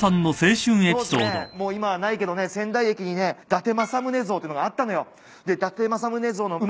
当時ねもう今はないけどね仙台駅にね伊達政宗像っていうのがあったのよ。